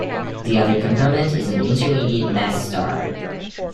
The other component is an intermediate-mass star.